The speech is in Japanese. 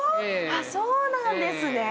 そうなんですね。